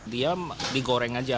dia digoreng saja